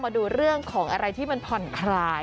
มาดูเรื่องของอะไรที่มันผ่อนคลาย